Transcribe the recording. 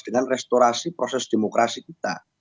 dengan restorasi proses demokrasi kita